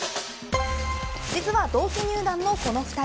実はここ同期入団のこの２人。